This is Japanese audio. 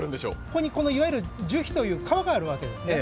ここにいわゆる樹皮という皮があるわけですね。